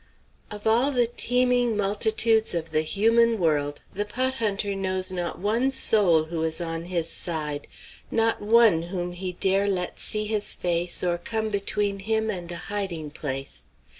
Of all the teeming multitudes of the human world, the pot hunter knows not one soul who is on his side; not one whom he dare let see his face or come between him and a hiding place.